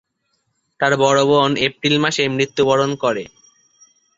তার বড় বোন এপ্রিল মাসে মৃত্যুবরণ করে।